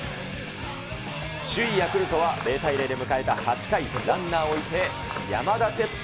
首位ヤクルトは０対０で迎えた８回、ランナーを置いて山田哲人。